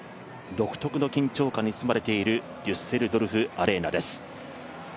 独特の緊張感に包まれているデュッセルドルフ・アレーナです。